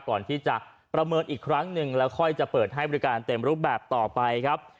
ก่อนที่จะประเมินอีกครั้งหนึ่งแล้วค่อยจะเปิดให้บริการเต็มรูปแบบต่อไปครับ